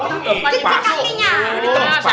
oh tempat yang kacau